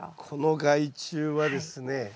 この害虫はですね